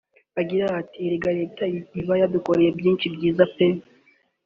Agira ati “Erega Leta iba yadukoreye byinshi byiza pe